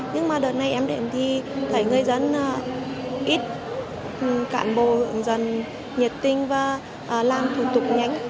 nhưng mà đợt này em để em đi thấy người dân ít cạn bồ dần nhiệt tinh và làm thủ tục nhanh